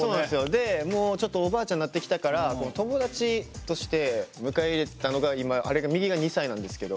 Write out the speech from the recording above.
でもうちょっとおばあちゃんになってきたから友達として迎え入れてたのが今あれが右が２歳なんですけど。